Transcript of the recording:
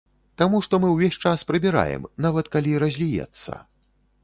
Таму што мы ўвесь час прыбіраем, нават калі разліецца.